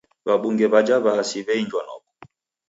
W'abunge w'aja w'aasi w'einjwa noko.